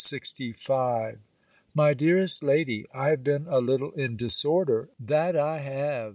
LETTER LXV MY DEAREST LADY, I have been a little in disorder, that I have.